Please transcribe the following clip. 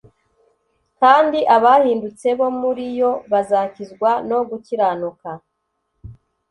kandi abahindutse bo muri yo bazakizwa no gukiranuka